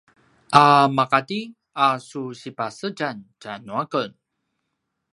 a maqati a su sipasedjam tja nuaken?